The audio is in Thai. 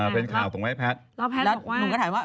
เผ็ดบอกว่าฟันไรใช่มั้ย